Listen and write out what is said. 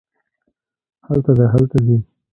هلته دی هلته دي